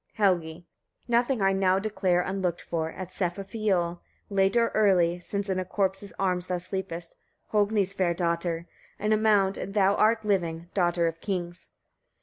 Helgi. 46. Nothing I now declare unlooked for, at Sefafioll, late or early, since in a corpse's arms thou sleepest, Hogni's fair daughter! in a mound, and thou art living, daughter of kings!